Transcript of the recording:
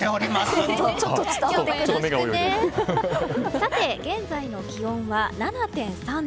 さて、現在の気温は７．３度。